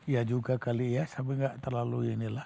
ya juga kali ya tapi gak terlalu ini lah